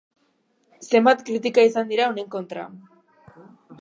Zenbait kritika izan dira honen kontra.